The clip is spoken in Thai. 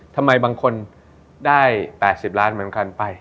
ทำไมบางคนได้๘๐ล้านเหมือนกันไป